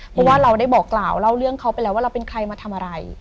เพราะว่าเราได้บอกกล่าวเล่าเรื่องเขาไปแล้วว่าเราเป็นใครมาทำอะไร